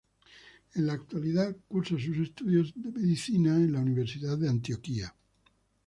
En la actualidad, cursa sus estudios de medicina en la Universidad de Antioquia.